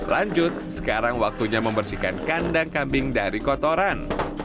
lanjut sekarang waktunya membersihkan kandang kambing dari kotoran